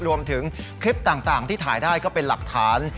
รวมถึงคลิปต่างที่ถ่ายได้ก็เป็นหลักฐาน